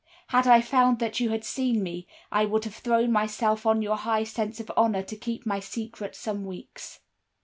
Had I found that you had seen me, I would have thrown myself on your high sense of honor to keep my secret some weeks.